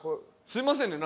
すいませんね